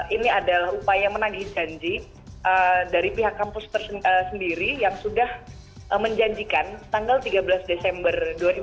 ini adalah upaya menagih janji dari pihak kampus sendiri yang sudah menjanjikan tanggal tiga belas desember dua ribu dua puluh